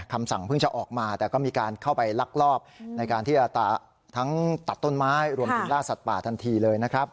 คำสั่งเพิ่งจะออกมาแต่ก็มีการเข้าไปลักลอบในการที่จะทั้งตัดต้นไม้รวมถึงล่าสัตว์ป่าทันทีเลยนะครับ